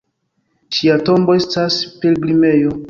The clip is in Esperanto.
Ŝia tombo estas pilgrimejo.